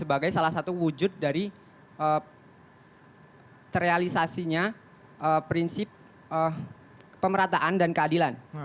sebagai salah satu wujud dari terrealisasinya prinsip pemerataan dan keadilan